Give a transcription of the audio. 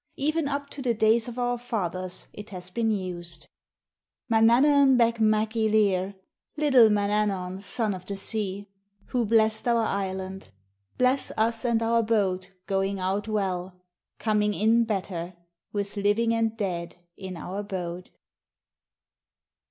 Even up to the days of our fathers it has been used: Manannan Beg Mac y Leirr Little Manannan Son of the Sea, Who blessed our island, Bless us and our boat, going out well. Coming in better, with living and dead in our boat.